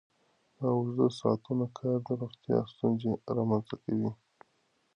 د اوږده ساعتونو کار د روغتیا ستونزې رامنځته کوي.